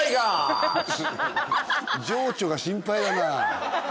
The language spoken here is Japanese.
情緒が心配だな。